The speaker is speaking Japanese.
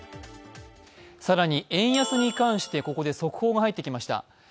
更に円安に関してここで速報が入ってきました。